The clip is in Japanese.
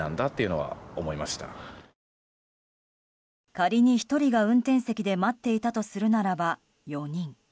仮に１人が運転席で待っていたとするならば４人。